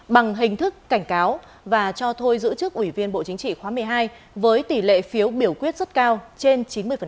bằng hình thức cảnh cáo và cho thôi giữ chức ủy viên bộ chính trị khóa một mươi hai với tỷ lệ phiếu biểu quyết rất cao trên chín mươi